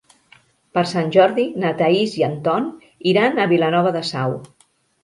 Per Sant Jordi na Thaís i en Ton iran a Vilanova de Sau.